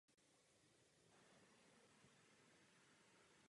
Pravděpodobnou příčinou bylo nedokonalé zakončení komunikační sběrnice.